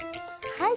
はい。